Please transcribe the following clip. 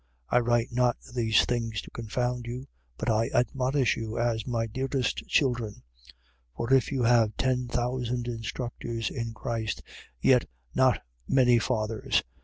4:14. I write not these things to confound you: but I admonish you as my dearest children. 4:15. For if you have ten thousand instructors in Christ, yet not many fathers.